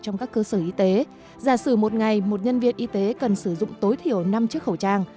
trong các cơ sở y tế giả sử một ngày một nhân viên y tế cần sử dụng tối thiểu năm chiếc khẩu trang